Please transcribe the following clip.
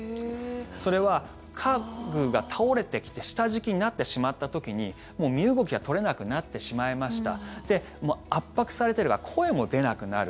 それは家具が倒れてきて下敷きになってしまった時にもう身動きが取れなくなってしまいました圧迫されているから声も出なくなる。